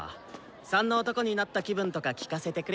「３」の男になった気分とか聞かせてくれ。